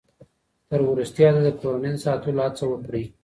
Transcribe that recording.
تر وروستي حده د کورنۍ د ساتلو هڅه وکړئ.